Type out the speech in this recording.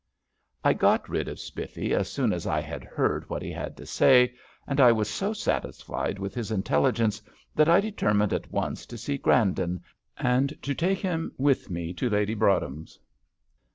I got rid of Spiffy as soon as I had heard what he had to say, and I was so satisfied with his intelligence that I determined at once to see Grandon, and to take him with me to Lady Broadhem's.